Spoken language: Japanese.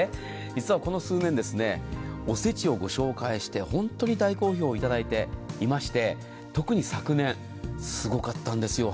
実はこの数年おせちをご紹介して本当に大好評をいただいていまして特に昨年すごかったんですよ